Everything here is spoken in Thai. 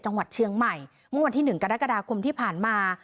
จังหวัดเชียงใหม่เมื่อวันที่๑กรกฎาคมที่ผ่านมา